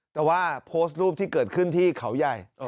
แต่ว่าโพสต์รูปที่เกิดขึ้นที่เขาใหญ่